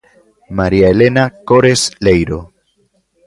María Elena Cores Leiro.